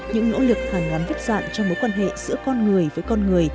những nỗ lực hàng ngắn vất dạng trong mối quan hệ giữa con người với con người